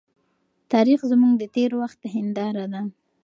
تاريخ زموږ د تېر وخت هنداره ده.